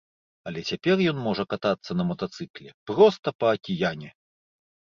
Але цяпер ён можа катацца на матацыкле проста па акіяне.